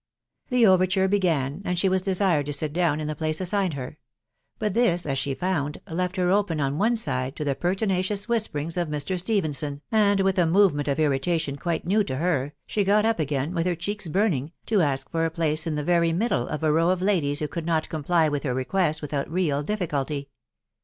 The overture began, and she was desired to sit down In the place assigned her ; but this, as she found, left her open on one side to the pertinacious whisperings of Mr. Stephenson, and with a movement of irritation quite new to her, she got up again, with her cheeks burning, to ask for a place in the very middle of a row of ladies who could not comply with her request without real difficulty.